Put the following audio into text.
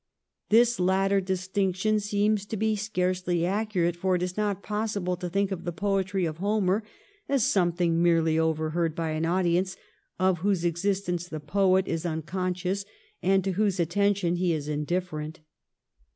This latter distinction seems to be scarcely accurate, for it is not possible to think of the poetry of Homer as something merely overheard by an audience of whose existence the poet is un conscious and to whose attention he is indijBTerent.